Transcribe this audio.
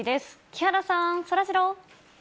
木原さん、そらジロー。